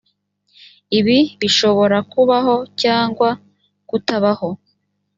ibi bishobora kubaho cg kutabaho